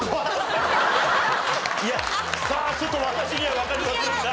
いやさあちょっと私にはわかりませんが。